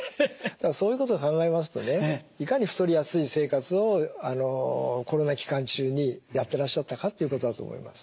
そういうことを考えますとねいかに太りやすい生活をコロナ期間中にやってらっしゃったかっていうことだと思います。